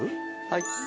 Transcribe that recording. はい。